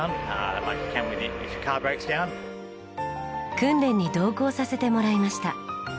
訓練に同行させてもらいました。